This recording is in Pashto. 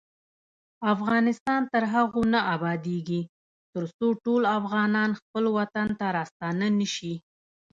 افغانستان تر هغو نه ابادیږي، ترڅو ټول افغانان خپل وطن ته راستانه نشي.